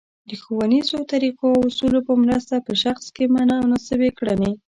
د ښونیزو طریقو او اصولو په مرسته په شخص کې مناسبې کړنې